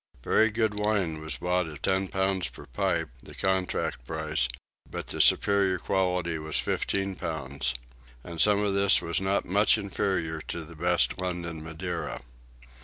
Very good wine was bought at ten pounds per pipe, the contract price; but the superior quality was fifteen pounds; and some of this was not much inferior to the best London Madeira.